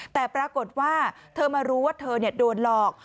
แต่ปรากฏว่าเธอมารู้ว่าเธอโดนหลอก